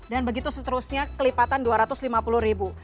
dan begitu seterusnya kelipatan dua ratus lima puluh ribu